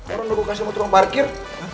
orang udah gua kasih sama tuang parkir